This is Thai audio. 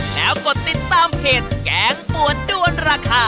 แล้วกดติดตามเพจแกงปวดด้วนราคา